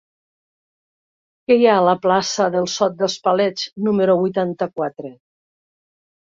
Què hi ha a la plaça del Sot dels Paletes número vuitanta-quatre?